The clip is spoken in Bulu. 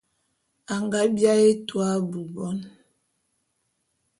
A nga biaé etua abui bon.